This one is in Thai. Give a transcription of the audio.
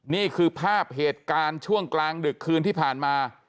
นี่คือภาพเหตุการณ์ช่วงกลางดึกคืนที่ผ่านมา